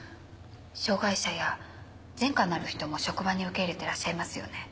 障がい者や前科のある人も職場に受け入れてらっしゃいますよね？